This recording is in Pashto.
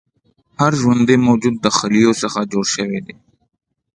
هر ژوندی موجود د خلیو څخه جوړ شوی دی